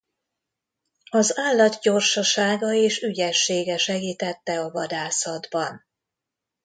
Az állat gyorsasága és ügyessége segítette a vadászatban.